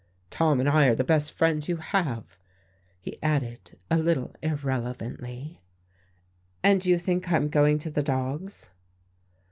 Tom and I are the best friends you have," he added, a little irrelevantly. "And you think I'm going to the dogs."